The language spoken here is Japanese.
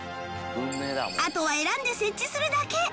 あとは選んで設置するだけ